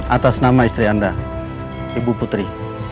atas nama istri anda ibu putri